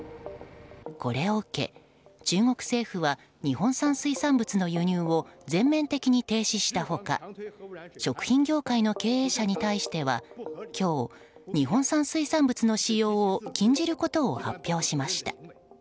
これを受け、中国政府は日本産水産物の輸入を全面的に停止した他食品業界の経営者に対しては今日、日本産水産物の使用を禁じることを発表しました。